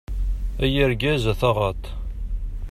Ay argaz, a taɣaṭ!